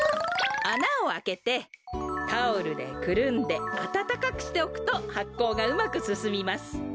あなをあけてタオルでくるんであたたかくしておくとはっこうがうまくすすみます。